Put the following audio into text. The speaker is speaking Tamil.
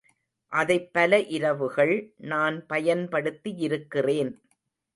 அதைப் பல இரவுகள் நான் பயன்படுத்தியிருக்கிறேன்.